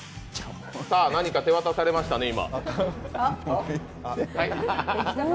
何か手渡されましたね、今。